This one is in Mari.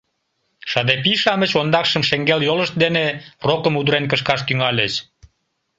Шыде пий-шамыч ондакшым шеҥгел йолышт дене рокым удырен кышкаш тӱҥальыч.